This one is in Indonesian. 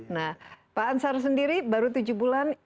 nah pak ansar sendiri baru tujuh bulan